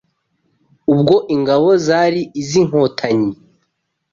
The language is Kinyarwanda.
ubwo ingabo zari izi Inkotanyi,